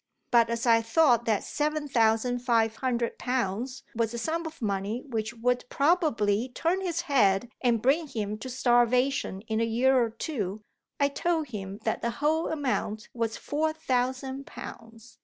"But as I thought that seven thousand five hundred pounds was a sum of money which would probably turn his head and bring him to starvation in a year or two, I told him that the whole amount was four thousand pounds.